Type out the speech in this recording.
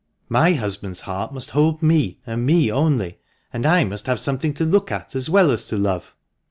My husband's heart must hold me, and me only ; and I must have something to look at as well as to love."